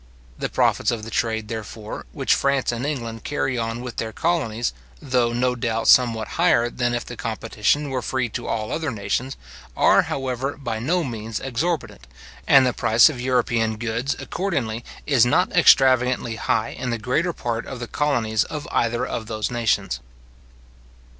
The profits of the trade, therefore, which France and England carry on with their colonies, though no doubt somewhat higher than if the competition were free to all other nations, are, however, by no means exorbitant; and the price of European goods, accordingly, is not extravagantly high in the greater past of the colonies of either of those nations.